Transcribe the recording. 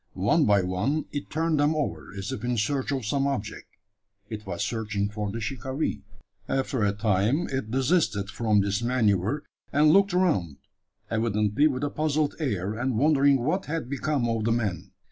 One by one it turned them over, as if in search of some object. It was searching for the shikaree. After a time it desisted from this manoeuvre, and looked around evidently with a puzzled air, and wondering what had become of the man.